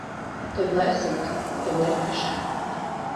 Тыглай суд, тыглай паша».